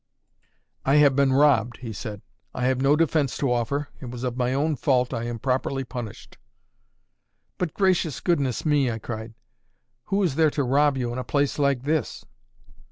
"I have been robbed," he said. "I have no defence to offer; it was of my own fault, I am properly punished." "But, gracious goodness me!" I cried, "who is there to rob you in a place like this?"